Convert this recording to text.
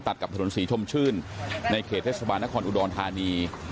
ตัดกับถนนศรีชมชื่นในเขตเทศบาลนครอุดรธานี